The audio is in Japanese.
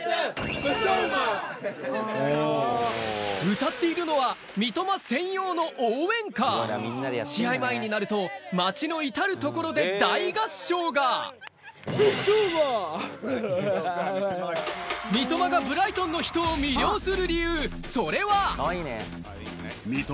歌っているのは試合前になると町の至る所で大合唱が三笘がブライトンの人を魅了する理由